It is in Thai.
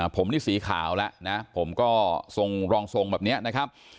ผมนี่สีขาวแล้วผมก็รองทรงแบบนี้